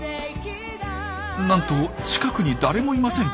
なんと近くに誰もいません！